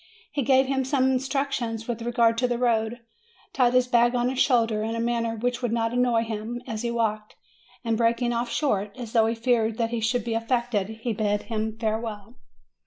He gave him some in structions with regard to the road, tied his bag on his shoulders in a manner which would not annoy him as he walked, and, breaking off short, as though he feared that he should be affected, he bade him farewell.